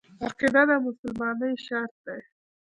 عقیده د مسلمانۍ شرط دی.